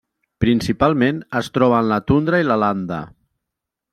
Principalment es troba en la tundra i la landa.